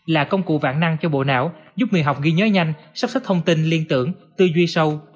là công cụ vạn năng cho bộ não giúp người học ghi nhớ nhanh sắp xếp thông tin liên tưởng tư duy sâu